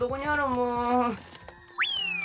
もう。